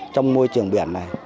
trong môi trường biển này